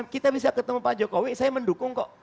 kita bisa ketemu pak jokowi saya mendukung kok